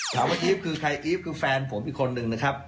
ว่ากีฟคือใครกีฟคือแฟนผมอีกคนนึงนะครับ